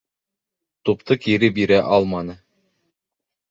Тупты кире бирә алманы